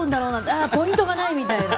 あ、ポイントがないみたいな。